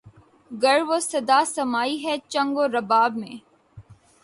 گر وہ صدا سمائی ہے چنگ و رباب میں